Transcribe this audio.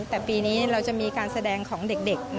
แต่ปีนี้เราจะมีการแสดงของเด็ก